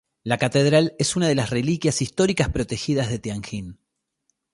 La catedral es una de las reliquias históricas protegidas de Tianjin.